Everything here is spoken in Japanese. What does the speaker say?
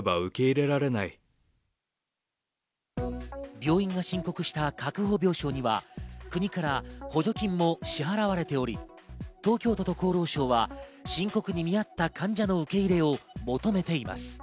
病院が申告した確保病床には国から補助金も支払われており、東京都と厚労省は申告に見合った患者の受け入れを求めています。